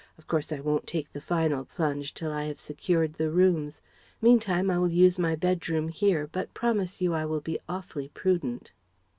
Of course I won't take the final plunge till I have secured the rooms. Meantime I will use my bedroom here but promise you I will be awfully prudent..."